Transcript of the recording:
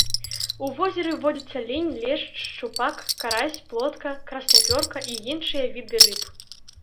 У возеры водзяцца лінь, лешч, шчупак, карась, плотка, краснапёрка і іншыя віды рыб.